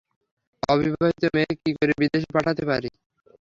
অবিবাহিত মেয়েকে কী করে বিদেশে পাঠাতে পারি?